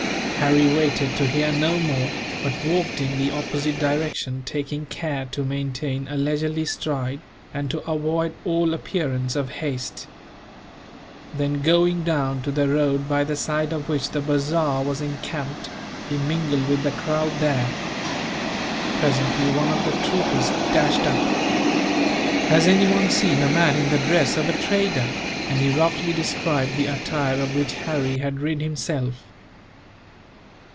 Harry waited to hear no more, but walked in the opposite direction; taking care to maintain a leisurely stride, and to avoid all appearance of haste. Then, going down to the road by the side of which the bazaar was encamped, he mingled with the crowd there. Presently, one of the troopers dashed up. "Has anyone seen a man in the dress of a trader?" and he roughly described the attire of which Harry had rid himself.